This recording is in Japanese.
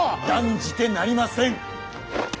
断じてなりません！